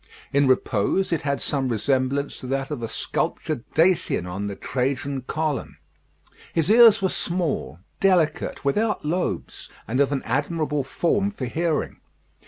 In repose it had some resemblance to that of a sculptured Dacian on the Trajan column. His ears were small, delicate, without lobes, and of an admirable form for hearing.